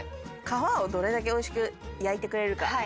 皮をどれだけ美味しく焼いてくれるか。